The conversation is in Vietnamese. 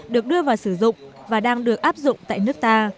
được đưa vào sử dụng và đang được áp dụng tại nước ta